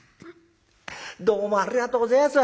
どうもありがとうごぜえやす。